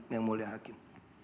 yang mulia hakim